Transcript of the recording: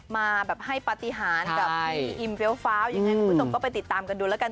มาแบบให้ปฏิหารกับพี่อิมเฟี้ยวฟ้าวยังไงคุณผู้ชมก็ไปติดตามกันดูแล้วกัน